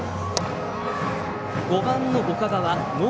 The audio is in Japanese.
５番の岡川。